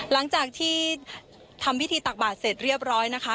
หลังจากที่ทำพิธีตักบาทเสร็จเรียบร้อยนะคะ